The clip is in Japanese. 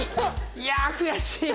いや悔しい！